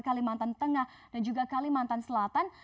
kalimantan tengah dan juga kalimantan selatan